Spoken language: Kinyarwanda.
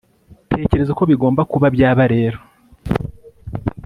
tekereza uko bigomba kuba byaba rero